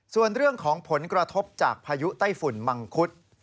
ส่วนเรื่องของผลกระทบจากพายุไต้ฝุ่นมังคุด